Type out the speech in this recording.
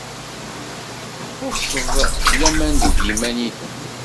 Txuṣṣed laman deg yiman-nnem.